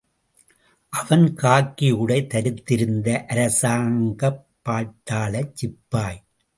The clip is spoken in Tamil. அவன் காக்கியுடை தரித்திருந்த அரசாங்கப் பட்டாளச் சிப்பாய்!